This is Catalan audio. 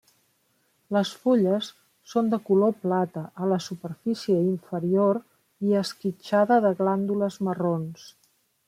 Les fulles són de color plata a la superfície inferior i esquitxada de glàndules marrons.